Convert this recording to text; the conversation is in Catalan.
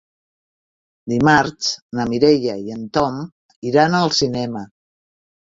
Dimarts na Mireia i en Tom iran al cinema.